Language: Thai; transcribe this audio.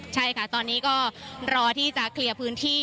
ใช่ค่ะตอนนี้ก็รอที่จะเคลียร์พื้นที่